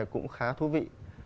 cũng khá thú vị